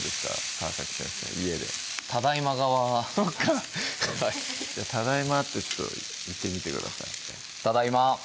川先生家で「ただいま」側そっかはいじゃあ「ただいま」ってちょっと言ってみてくださいただいま！